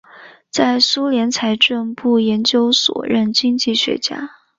在苏联财政部研究所任经济学家。